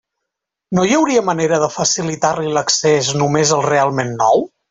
No hi hauria manera de facilitar-li l'accés només al realment nou?